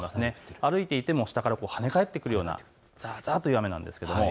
歩いていても下から跳ね返ってくるようなざーざーという雨です。